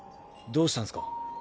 どうしたんすか？